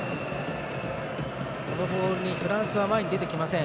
そのボールにフランスは前に出てきません。